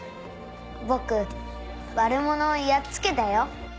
僕悪者をやっつけたよ。